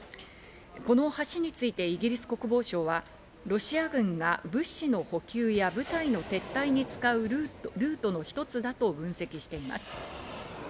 この橋についてイギリス国防省はロシア軍が物資の補給や部隊の撤退に使うルートの一つだと分析しています。